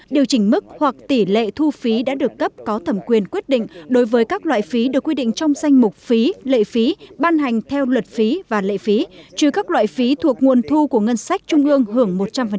điều chỉnh mức hoặc tỷ lệ thu phí đã được cấp có thẩm quyền quyết định đối với các loại phí được quy định trong danh mục phí lệ phí ban hành theo luật phí và lệ phí trừ các loại phí thuộc nguồn thu của ngân sách trung ương hưởng một trăm linh